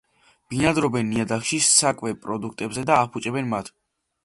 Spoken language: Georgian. ბინადრობენ ნიადაგში, საკვებ პროდუქტებზე და აფუჭებენ მათ.